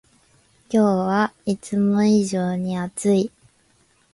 今日はいつも以上に暑い